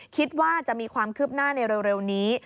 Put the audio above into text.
คิดว่าจะมีความคืบหน้าในเร็วนี้